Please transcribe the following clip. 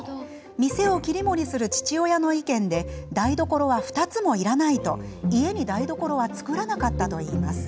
店を切り盛りする父親の意見で台所は２つもいらないと家に台所は作らなかったといいます。